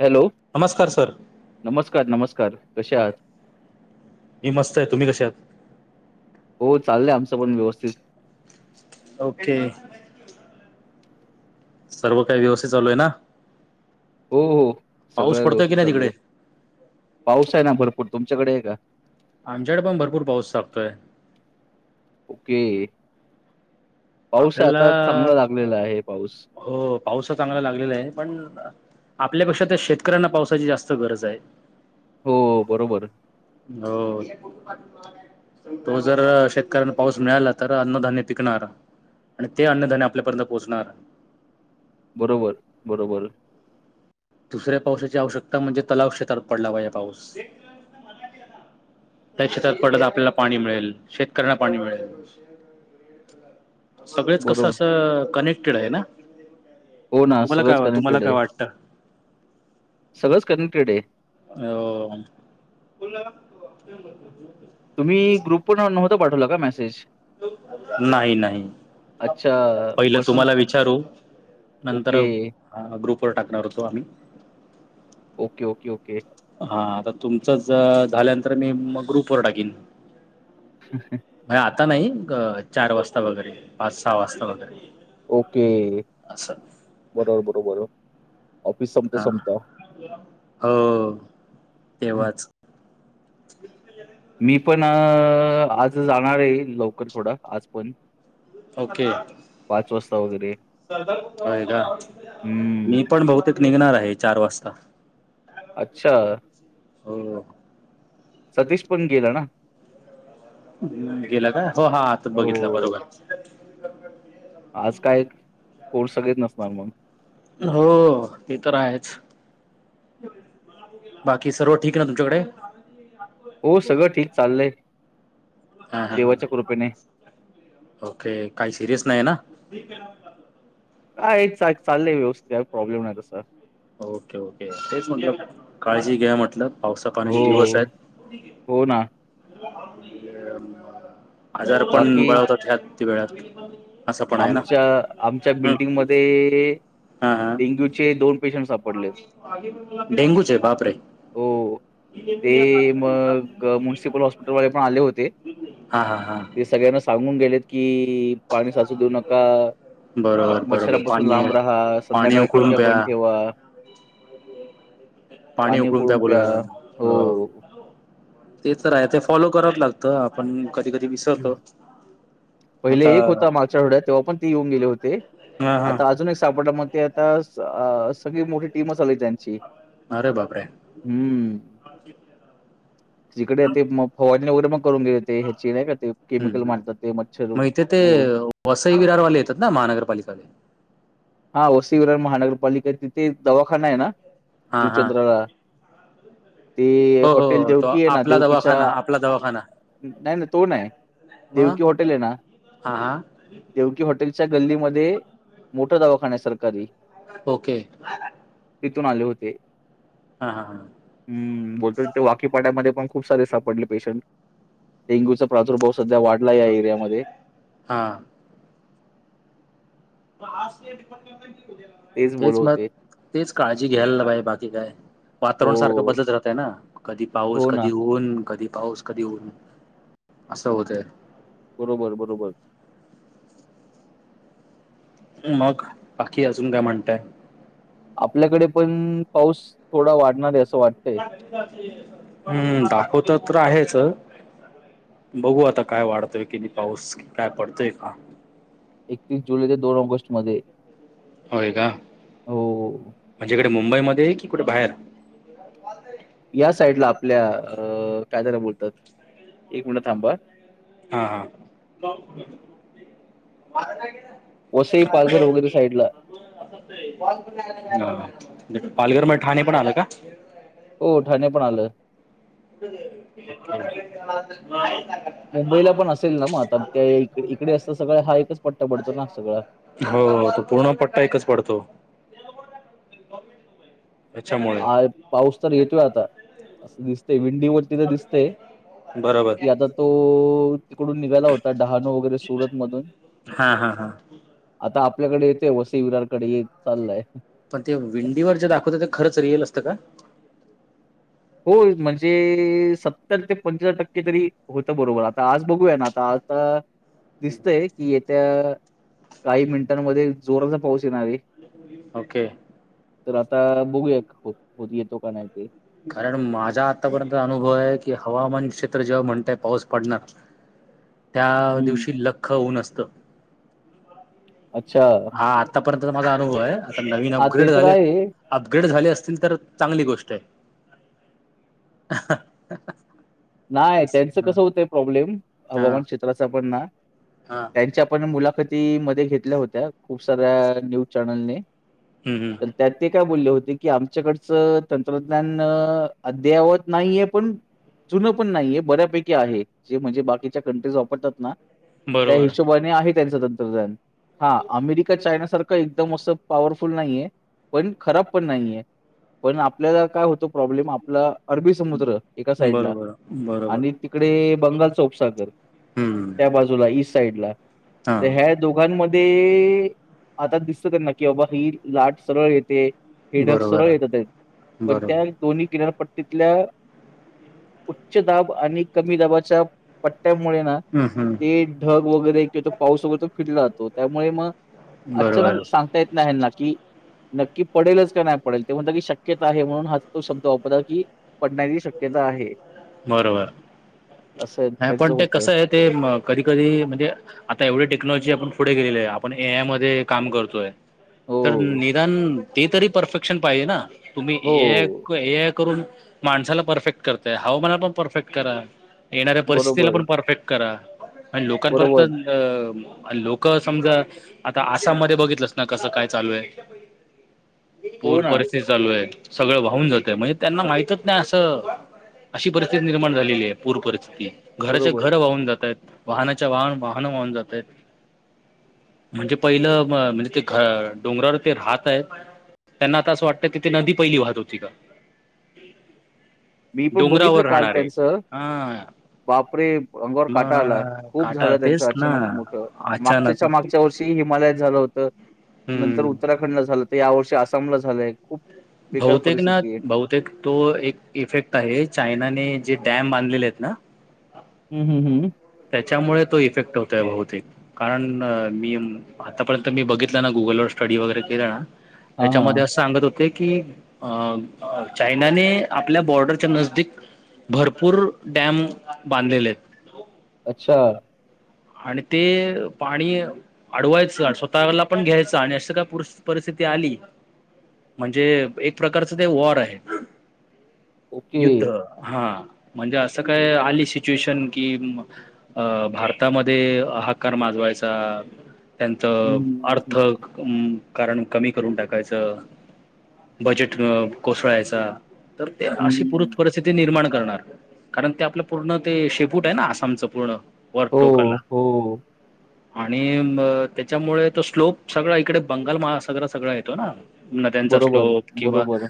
Hello, नमस्कार sir नमस्कार नमस्कार! कसे आहात? मी मस्त आहे. तुम्ही कशा आहात? हो चाललंय आमचं पण व्यवस्थित. ओके. सर्व काही व्यवस्थित चालू आहे ना? हो हो, पाऊस सगळं पडतोय व्यवस्थित की नाही चालू तिकडे आहे. पाऊस आहे ना भरपूर, तुमच्याकडे आहे का? आमच्याकड पण भरपूर पाऊस लागतोय हू पाऊस आपल्याला आता चांगला लागलेला आहे पाऊस हो पाऊस तर चांगला लागलेला आहे पण आपल्यापेक्षा त्या शेतकऱ्यांना पावसाची जास्त गरज हाय हो बरोबर हो हो जर शेतकऱ्यांना पाऊस मिळाला तर अन्नधान्य पिकणार ते अन्नधान्य आपल्यापर्यंत पोहोचणार बरोबर बरोबर दुसऱ्या पावसाची आवश्यकता म्हणजे तलाव क्षेत्रात पडला पाहिजे पाऊस त्या शेतात पडत आपल्याला पाणी मिळेल शेतकऱ्यांना पाणी मिळेल सगळेच कस बरोबर अस कनेक्टेड हाय ना हो ना तुम्हाला काय सगळंच वा- तुम्हाला कनेक्टेड काय हाय वाटतं सगळंच कनेक्टेड हाय हो तुम्ही ग्रुप पण नव्हता पाठवला का मेसेज नाही नाही अच्छा पहिलं पर्सन तुम्हाला विचारू नंतर ओके ग्रुप वर टाकणार होतो आम्ही ओके ओके ओके हा आता तुमचच झाल्यानंतर मी मग ग्रुप वर टाकीन [unintelligible] नाही आता नाही चार वाजता वगैरे पाच सहा वाजता वगैरे ओके असं बरोबर बरोबर ऑफिस संपता हा संपता हो तेव्हाच [unintelligible] मी पण आज जाणारये लवकर थोड आज पण ओके वाजता वगैरे. होय का मी हम्म. पण बहुतेक निघणार आहे चार वाजता अच्छा हो सतीश पण गेला ना गेला का हो हा आता बघितलं हो. बरोबर आज काय कोर्स सगळेच नसणार मग हो ते तर आहेच बाकी सर्व ठीक ना तुमच्याकडे हो सगळ ठीक चाललय हा हा हा. देवाच्या कृपेने ओके काय सिरीयस नाहीये ना काय चाललंय व्यवस्थित काय प्रॉब्लेम नाही तसा ओके ओके तेच म्हटलं काळजी घ्या म्हटलं पावसा पाण्याचे दिवस हो, आहेत हो ना. आजार पण बाकी बळवतात ह्यात वेळात असं पण आहे ना आमच्या आमच्या हम्म बिल्डिंगमध्ये हा हा. डेंग्यूचे दोन पेशंट्स डेंगूचे बापरे हो. ते मग मुनसिपल हॉस्पिटलवाले पण आले होते हा हा हा ते सगळ्यांना सांगून गेलेत कि पाणी साचू देऊ नका बरोबर बरोबर मच्छरांपासून पाणी लांब राहा पाणी संध्याकाळ उकळून खिडक्या बंद प्या ठेवा पाणी उकळून प्या बोलत हो ते तर आहे ते, फॉलो कराव लागतं आपण. कधी कधी विसरतो पहिले आता. [unintelligible] तेव्हा पण ते येऊन गेली होती, हा हा आता अजून एक सापडला मग त्या त्यावेळेस अं.. सगळी मोठी टीमच आली आमची. अरे बापरे. हम्म. [inaudible] तिकडे हम्म ते मग फवारनी वगैरे, मग करून घ्यायचे हेचे नाही का. ते हम् केमिकल हम् मारतात ते मच्छर मग इथे ते हो. वसई विरारवाले येतात ना, महानगरपालिकेवाले. हा ओसी विरार महानगरपालिका तिथे, दवाखाना आहे ना हा जो हा चंद्रा. ते हो हो हॉटेल हो, तो देवकी आहे ना, आपला देवकीच्या दवाखाना आपला दवाखाना नाही तो नाही. मग देवकी हॉटेल आहे ना आं. देवकी हॉटेलच्या गल्लीमध्ये, मोठं दवाखाना आहे सरकारी. ओके. तिथून आले होते. हा हा. हम् बोलतो ते वाकीपाट्यामध्ये पण, खूप सारे सापडले पेशंट डेंग्यूचा. प्रादुर्भाव सध्या वाढलाय या एरियामध्ये. हां. [unintelligible] तेच बोलतं मग होते. तेच काळजी घ्यायला पाहिजे, बाकी काय. हो वातावरण सारखं बदलत राहतय ना, कधी पाऊस हो ना कधी ऊन, कधी पाऊस. कधी ऊन असं होतय. बरोबर, बरोबर. मग बाकी अजून, काय म्हणताय. आपल्याकडे पण, पाऊस थोडा वाढणार आहे असं वाटतंय. हम्म, दाखवत त्र तर आहेच. बघू आता काय वाढतंय कणी, पाऊस काय पडतोय का. एकतीस जुलै ते दोन ऑगस्ट मध्ये. होय का. हो म्हणजे इकडे मुंबईमध्ये ये कुठे बाहेर. पाच तारीख. या साईडला आपल्या, काय त्याला बोलतात एक मिंट थांब हं. हा हा. वसई, पालघर वगैरे साईडला. पालघर, मग ठाणे पण आलं का. हो, ठाणे पण आलं. [unintelligible] मुंबईला पण असेल ना मग आता, इ इकडे असतं सगळ हा एकच पट्टा पडतो ना सगळां. हो. तो पूर्ण पट्टा एकच पडतो. त्याच्यामुळे आ पाऊस तर येतोय आता. असं दिसते विंडी वरती तर दिसतंय. बरोबर. की आता तो तिकडून निघाला होता, डहाणू वगैरे सुरत मधून. हा हा हा. आता आपल्याकडे येतेय. वसई विरारकडे येत चालाय. पण ते विंडीवर जे दाखवत, ते खरंच रीयल असतं का. होय, म्हणजे सत्तर ते पंच्यासर टक्के तरी होतं बरोबर, आता आज बघूया ना आ ता आता दिसतंय की, येत्या काही मिनिटांमध्ये जोराचा पाऊस येणारं आहे. ओके. तर आता बघूयात, हो येतो का नाही ते. कारण माझा आतापर्यंत अनुभव आहे की, हवामान क्षेत्र जेव्हा म्हणतंय पाऊस पडणार त्या हम्म. दिवशी लख्ख ऊन असतं. अच्छा? हा आत्तापर्यंतचा माझा अनुभव आहे, आता नवीन हां ते अपग्रेड तर झाले आहे अपग्रेड झाले असतील तर, चांगली गोष्ट आहे. [unintelligible] नाय, त्यांचं हा कसं होतंय प्रॉब्लेम, हा हवामान क्षेत्राचा पण ना हा त्यांच्या पण मुलाखती मध्ये घेतल्या होत्या, खूप साऱ्या न्यूज चॅनलने. हं, हं. पण त्यात ते काय बोलले होते की, आमच्याकडचं तंत्रज्ञान अद्ययावत नाहीये पण जुन पण नाही आहे, बऱ्यापैकी आहे. जे म्हणजे, बाकीच्या कंट्रीज वापरतात ना त्या बरोबर हिशोबा ने आहे त्यांचं तंत्रज्ञान. हा, अमेरिका चायनासारखं एकदम असं पॉवरफुल नाहीये, पण खराब पण नाही आहे. पण आपल्याला काय होतो प्रॉब्लेम, आपला अरबी एका साईडला बरं. आणि तिकडे बंगालचा उपसागर. हम्म. त्या बाजूला, ईस्ट साईडला हा तर ह्या दोघांमध्ये, आता दिसत त्यांना की बाबा ही लाट सरळ येते हे ढग सरळ बरोबर येत आहेत, पण बरोबर त्या दोन्ही किनारपट्टीतल्या उच्च दाब आणि कमी दाबाच्या पट्ट्यामुळे ना हम्, हम्. ते ढग वगैरे तिथं पाऊस वैगरे [unintelligible] राहतो त्यामुळे मग बरोबर अचानक सांगता येत नाही हेंना कि नक्की पडेलच का नाही पडेल, ते म्हणत की शक्यता आहे, म्हणून हा तो शब्द वापरला की पडण्याची शक्यता आहे. बरोबर, असं नाही पण त्यांचं ते होतं कस आहे ते कधी, कधी म्हणजे आता एवढी टेक्नॉलॉजी आपण पुढे गेलेली आहे, आपण ए आय मध्ये काम करतोय. तर हो निदान ते तरी परफेक्शन पाहिजे ना? तुम्ही ए हो. आय करून माणसाला परफेक्ट करता हवामानाला पण परफेक्ट करा, येणाऱ्या परिस्थितीला बरोबर, पण परफेक्ट करा, आणि बरोबर. लोकांपर्यंत लोक समजा, आता आसाममध्ये बघितलंस ना, कसं काय चालू आहे. [inaudible] हो पूर ना, परिस्थिती चालू आहे, सगळं वाहून जातय, म्हणजे त्यांना माहितच नाही असं अशी परिस्थिती निर्माण झालेली आहे, पूर परिस्थिती घराच्या बरोबर. घर वाहून जातय. वाहनाच्या वाहन, वाहन वाहून जात आहेत. म्हणजे, पहिलं म्हणजे ते डोंगरावर ते राहत आहेत. त्यांना आता असं वाटतं की, ते नदी पहिली वाहत होती का? मी पण बघितलं डोंगरावर काल राहणारे त्यांचं. हा बापरे, अंगावर काटा आला, मग खूप काटा झालं त्यांचं तेच ना अचानक मोठ. मागच्या अचानक त्याच्या मग मागच्या वर्षी, हिमालयात झाल होतं. नंतर हम्म उतरा खंडला झालं होतं. या वर्षी आसामला झालंय. खूप बेकार बहुतेक ना, परिस्थिती आहे. बहु तेक तो एक इफेक्ट आहे. चायना ने जे डॅम बांधलेलेयत ना. हम्, हम, हम्म. त्याच्यामुळे तो इफेक्ट होतोय बहुतेक. कारण, मी आतापर्यंत मी बघितलं ना, गुगलवर स्टडी वगैरे केलं ना. हां, त्याच्यामध्ये हां. असं सांगत होते कि, अ चायनाने आपल्या बॉर्डरच्या नजदीक भरपूर, डॅम बांधलेलेयत. अच्छा. आणि ते, पाणी अडवायचं अन् स्वतःला पण घ्यायचं. आणि अशी काय पुरस्थी- परिस्थिती आली म्हणजे, एक प्रकारचं ते वॉर आहे. ओके. युद्ध. हा. म्हणजे असं काय, आली सिच्युएशन कि अ भारत तामध्ये हाकार माजवायचा. हं, त्यांचं हं, अर्थ हं, हं. कारण कमी करून टाकायचं. बजेट कोसळायचा. तर ते हं, अशी पुर हं. परिस्थिती निर्माण करणार. कारण ते आपलं पूर्ण ते शेपूटय ना, आसामचं पूर्ण. वर हो, टोकाला. हो. आणि ब त्याच्यामुळे तो स्लोप, सगळा इकडे बंगाल महासागरा सगळा येतो ना. नद्यांचा बरोबर, स्लोप किंवा बरोबर.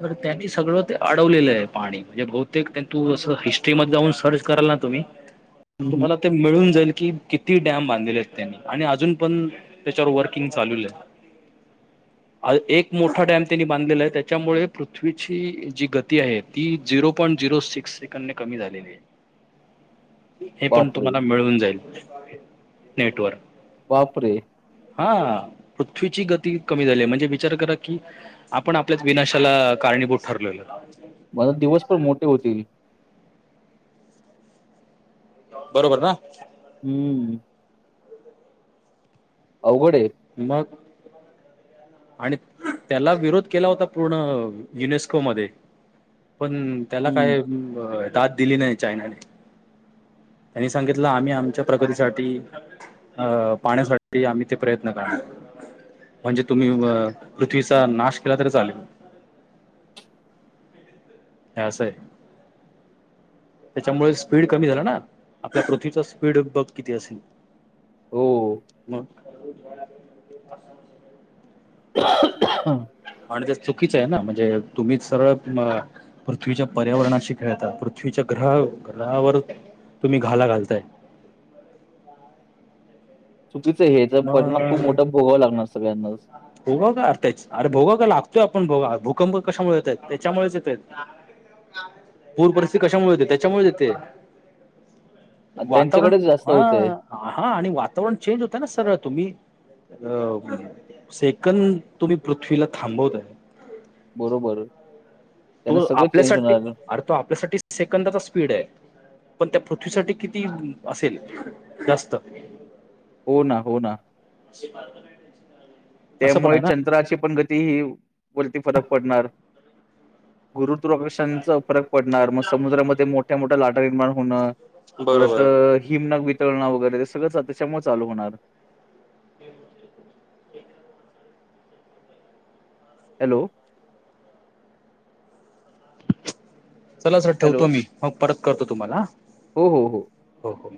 तर त्यांनी सगळं ते अडवलेलंय पाणी. म्हणजे बहुतेक त्यांन तू असं, हिस्ट्रीमधे जाऊन सर्च कराल ना तुम्ही हं, तुम्हाला हं. ते मिळून जाईल कि, किती डॅम बांधलेलेयत त्यांनी. आणि अजून पण त्याच्यावर वर्किंग चालविलय. आ एक मोठा डॅम त्यांनी बांधलेलाय, त्याच्यामुळे पृथ्वीची जी गती आहे. ती झिरो पॉईंट झिरो सिक्स सेकंदनी कमी झालेलीय. हे पण बापरे! तुम्हाला मिळून जाईल. नेटवर. वापरे! हा. पृथ्वीची गती कमी झालीय. म्हणजे विचार करा की आपण आपल्याच विनाशाला कारणीभूत ठरलेलो. मग आता दिवस पण मोठे होतील. बरोबर ना? अम्म. अवघडय. मग. आणि त्याला विरोध केला होता पूर्ण, युनेस्कोमध्ये. पण त्याला हम्म काय, दाद दिली नाही चायनाने. आणि सांगितलं, आम्ही आमच्या प्रगतीसाठी अ पाण्यासाठी, आम्ही ते प्रयत्न करणार. म्हणजे तुम्ही अ पृथ्वीचा, नाश केला तरी चालेल. हे असंय. त्याच्यामुळे स्पीड कमी झाला ना. आपल्या पृथ्वीचा स्पीड बघ किती असेल. हो मग. [inaudible] आणि ते चुकीचं आहे ना, म्हणजे तुम्हीच सरळ पृथ्वीच्या पर्यावरणाशी खेळता, पृथ्वीच्या ग्रह ग्रहावर तुम्ही घाला घालताय. चुकीचं आहे हेचा परिणाम खूप मोठा भोगावं लागणार सगळ्यांनाच. भोगो आता, अरे भोगो का लागतोय आपण भोगा, भूकंप कशामुळे येताय? त्याच्यामुळेच येताय. पूर परिस्थिती कशामुळे होेते? त्याच्यामुळे येते. आणि वातावरण, त्यांच्याकडेच जास्त हा, होतंय हा आणि वातावरण चेंज होत ना सरळ, तुम्ही अ सेकंद तुम्ही पृथ्वीला थांबवताय. बरोबर. त्यांना तो सगळं चेंज आपल्यासाठी, होणार अरे तो आपल्यासाठी सेकंदाचा स्पीड आहे. पण त्या पृथ्वीसाठी किती असेल जास्त? हो ना, हो ना. [unintelligible] त्यामुळे आहे ना चंद्राचे पण गती. वरती फरक पडणार, गुरुत्वाकर्षणाचा फरक पडणार, मग समुद्रामध्ये मोठ्या मोठ्या लाटा निर्माण होणं, परत बरोबर हिमनवी तळण वगैरे, ते सगळंच त्याच्यामुळे चालू होणार. [unintelligible] हॅलो. चला सर, हॅलो ठेवतो मी, मग परत करतो तुम्हाला. हो हो हो. हो हो.